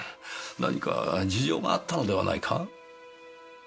何か事情があったのではないか？